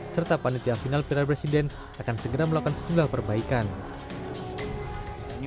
kata panitia final pira presiden akan segera melakukan setelah perbaikan